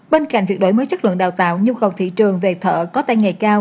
bên cạnh việc đổi mới chất lượng đào tạo nhu cầu thị trường về thợ có tay nghề cao